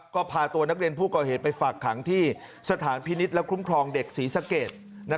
ก็พาตัวนักเรียนผู้ก่อเหตุไปฝากขังที่สถานพินิษฐ์และคุ้มครองเด็กศรีสะเกด